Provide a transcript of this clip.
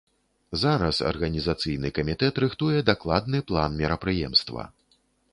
Зараз арганізацыйны камітэт рыхтуе дакладны план мерапрыемства.